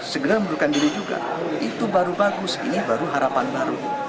segera mundurkan diri juga itu baru bagus ini baru harapan baru